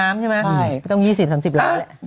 ไม่ต้อง๒๐๓๐ล้านแหละ